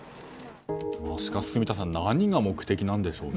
住田さん何が目的なんでしょうか。